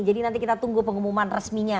jadi nanti kita tunggu pengumuman resminya